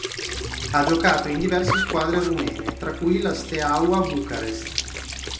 Ha giocato in diverse squadre rumene tra cui la Steaua Bucarest.